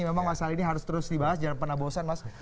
memang masalah ini harus terus dibahas jangan pernah bosan mas